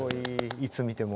いつ見ても。